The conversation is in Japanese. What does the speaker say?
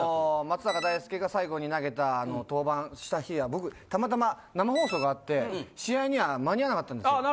松坂大輔が最後に投げた登板した日は僕たまたま生放送があって試合には間に合わなかったんです。